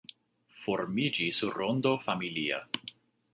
Formiĝis rondo familia.